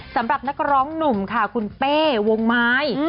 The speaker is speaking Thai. สำหรับนักร้องหนุ่มค่ะคุณเป้วงไม้